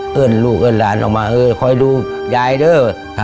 เพื่อนลูกเพื่อนหลานออกมาคอยดูยายด้วย